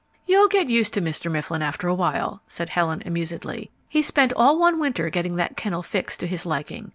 "You'll get used to Mr. Mifflin after a while," said Helen amusedly. "He spent all one winter getting that kennel fixed to his liking.